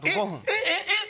えっ？